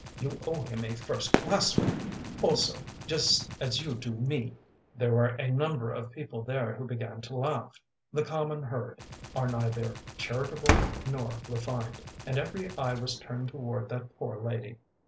You owe him a first class one, also, just as you do me.' “There were a number of people there who began to laugh. The common herd are neither charitable nor refined, and every eye was turned toward that poor lady.